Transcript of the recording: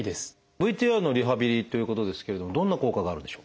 ＶＴＲのリハビリということですけれどもどんな効果があるんでしょう？